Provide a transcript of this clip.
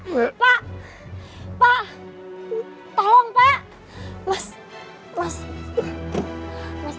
pak ya allah pak pak